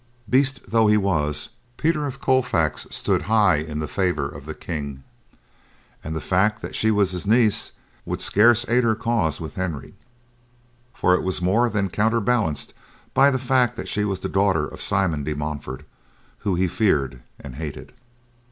Beast though he was, Peter of Colfax stood high in the favor of the King; and the fact that she was his niece would scarce aid her cause with Henry, for it was more than counter balanced by the fact that she was the daughter of Simon de Montfort, whom he feared and hated.